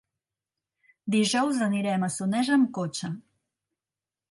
Dijous anirem a Soneja amb cotxe.